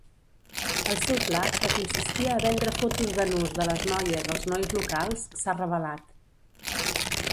El seu pla, que consistia a vendre fotos de nus de les noies als nois locals, s'ha revelat.